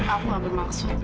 aku gak bermaksud